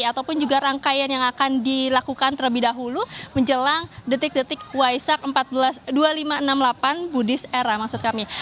ataupun juga rangkaian yang akan dilakukan terlebih dahulu menjelang detik detik waisak dua ribu lima ratus enam puluh delapan buddhis era maksud kami